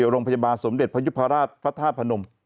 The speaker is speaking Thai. รมภโสมเดชพยพราชพระธาปนม